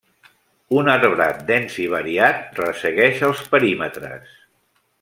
Un arbrat dens i variat ressegueix els perímetres.